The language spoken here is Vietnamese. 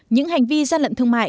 những hành vi gian lận thương mại